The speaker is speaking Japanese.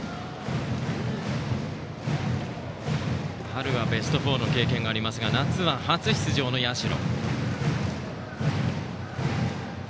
春はベスト４の経験がありますが夏は初出場の社。